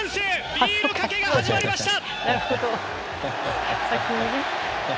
ビールかけが始まりました！